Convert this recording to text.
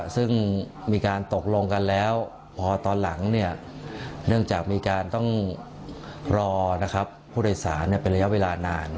ซึ่งมีการตกลงกันแล้วพอตอนหลังเนื่องจากมีการต้องรอผู้โดยสารเป็นระยะเวลานาน